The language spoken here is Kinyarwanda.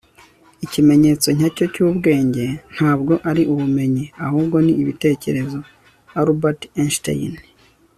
ikimenyetso nyacyo cy'ubwenge ntabwo ari ubumenyi ahubwo ni ibitekerezo. - albert einstein